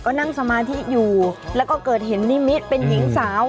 ก็นั่งสมาธิอยู่แล้วก็เกิดเห็นนิมิตรเป็นหญิงสาว